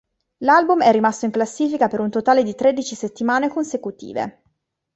L'album è rimasto in classifica per un totale di tredici settimane consecutive.